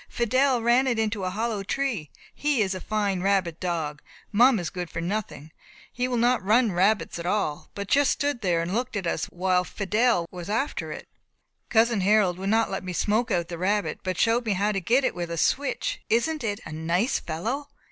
Fidelle ran it into a hollow tree he is a fine rabbit dog. Mum is good for nothing; he will not run rabbits at all, but just stood and looked at us while Fidelle was after it. Cousin Harold would not let me smoke out the rabbit, but showed me how to get it with a switch. Isn't it a nice fellow?"